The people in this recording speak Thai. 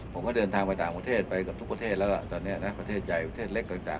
ผมก็เดินทางไปต่างประเทศไปกับทุกประเทศแล้วล่ะตอนนี้นะประเทศใหญ่ประเทศเล็กต่าง